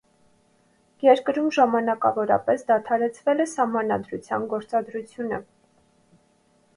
Երկրում ժամանակավորապես դադարեցվել է սահմանադրության գործադրությունը։